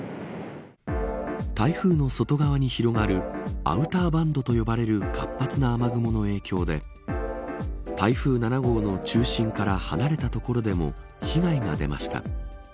台風の外側に広がるアウターバンドと呼ばれる活発な雨雲の影響で台風７号の中心から離れた所でも被害が出ました。